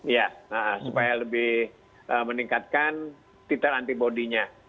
ya supaya lebih meningkatkan titel antibody nya